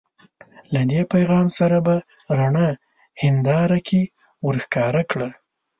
له دې پیغام سره په رڼه هنداره کې ورښکاره کړه.